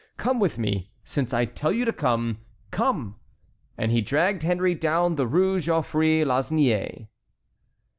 Come with me, since I tell you to come. Come!" And he dragged Henry down the Rue Geoffroy Lasnier.